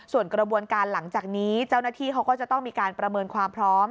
ส่วนกระบวนการหลังจากนี้เจ้าหน้าที่เขาก็จะต้องมีการประเมินความพร้อม